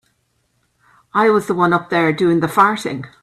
I was the one up there doing the farting.